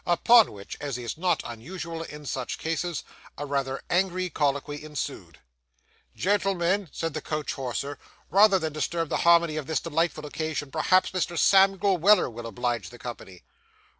Upon which, as is not unusual in such cases, a rather angry colloquy ensued. 'Gentlemen,' said the coach horser, 'rather than disturb the harmony of this delightful occasion, perhaps Mr. Samuel Weller will oblige the company.